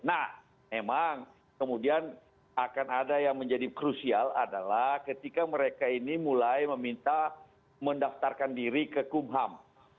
nah memang kemudian akan ada yang menjadi krusial adalah ketika mereka ini mulai meminta mendaftarkan diri ke kumham